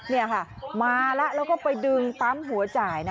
นี่ค่ะมาแล้วแล้วก็ไปดึงปั๊มหัวจ่ายนะ